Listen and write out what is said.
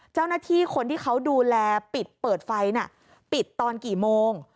เจ้าหน้าที่คนที่เขาดูแลปิดเปิดไฟปิดตอนกี่โมง